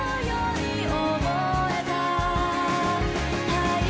はい！